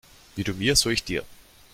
Wie du mir, so ich dir.